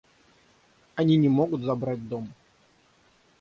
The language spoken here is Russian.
Они не могут забрать дом.